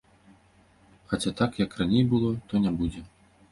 Хаця так, як раней было, то не будзе.